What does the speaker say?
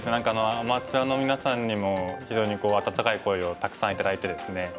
アマチュアのみなさんにも非常に温かい声をたくさん頂いてですね。